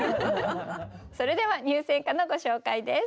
それでは入選歌のご紹介です。